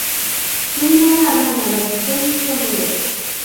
Tulinayo abaana abavudde mu ssomero?